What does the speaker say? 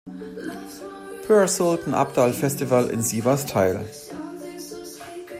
Pir Sultan Abdal Festival in Sivas teil.